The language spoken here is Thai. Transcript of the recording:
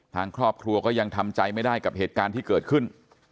ทางครอบครัวก็ยังทำใจไม่ได้กับเหตุการณ์ที่เกิดขึ้น